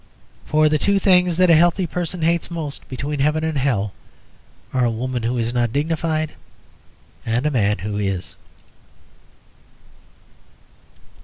For the two things that a healthy person hates most between heaven and hell are a woman who is not dignified and a man who is.